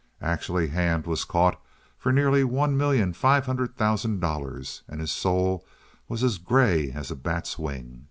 Actually Hand was caught for nearly one million five hundred thousand dollars, and his soul was as gray as a bat's wing.